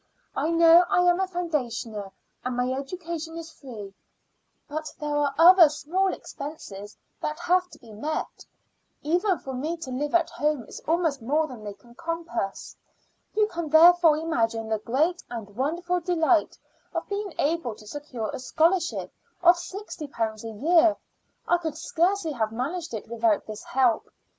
I know I am a foundationer and my education is free; but there are other small expenses that have to be met. Even for me to live at home is almost more than they can compass. You can therefore imagine the great and wonderful delight of being able to secure a scholarship of sixty pounds a year. I could scarcely have managed it without this help.